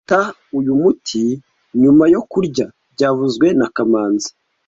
Fata uyu muti nyuma yo kurya byavuzwe na kamanzi